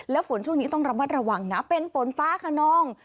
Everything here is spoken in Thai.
และฝนช่วงนี้ต้องระวังนะเป็นฝนฟ้าค่ะน้อง